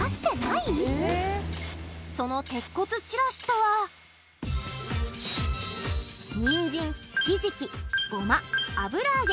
その鉄骨ちらしとはにんじんひじきごま油揚げ